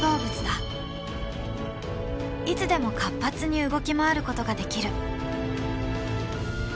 いつでも活発に動き回ることができる。